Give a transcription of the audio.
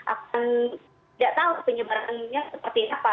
akan tidak tahu penyebarannya seperti apa